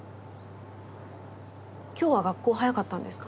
今日は学校早かったんですか？